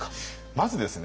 まずですね